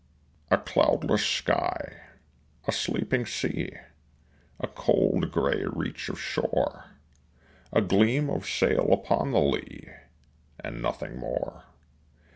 A cloudless sky, a sleeping sea, A cold gray reach of shore, A gleam of sail upon the lee And nothing more.